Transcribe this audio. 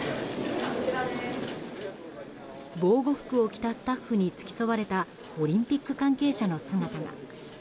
防護服を着たスタッフに付き添われたオリンピック関係者の姿が。